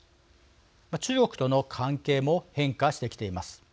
中国との関係も変化してきています。